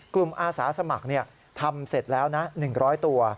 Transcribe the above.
อาสาสมัครทำเสร็จแล้วนะ๑๐๐ตัว